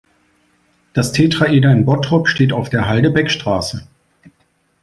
Das Tetraeder in Bottrop steht auf der Halde Beckstraße.